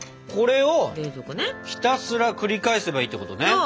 これをひたすら繰り返せばいいってことね。